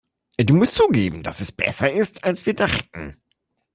Du musst zugeben, dass es besser ist, als wir dachten.